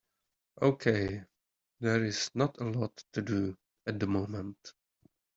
Okay, there is not a lot to do at the moment.